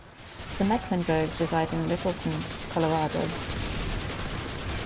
The Mecklenburgs reside in Littleton, Colorado.